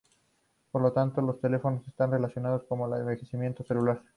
Por lo tanto, los telómeros están relacionados con el envejecimiento celular.